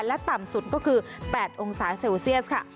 และต่ำสุดก็คือ๘องศาเซลเซียสค่ะ